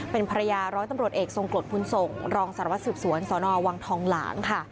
เป็นภรรยาร้อยตำรวจเอกทรงกฎบุญส่งรองสารวัตรสืบสวนสนวังทองหลางค่ะ